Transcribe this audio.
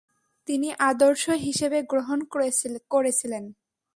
তিনি আদর্শ হিসেবে গ্রহণ করেছিলেন।